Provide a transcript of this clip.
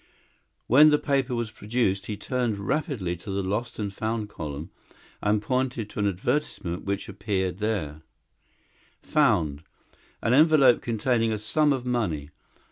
When the paper was produced he turned rapidly to the Lost and Found column and pointed to an advertisement which appeared there: FOUND An envelope containing a sum of money.